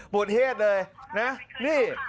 ปวดเฮศเลยนี่